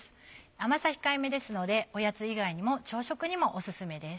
甘さ控えめですのでおやつ以外にも朝食にもオススメです。